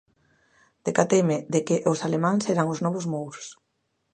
Decateime de que os alemáns eran os novos mouros.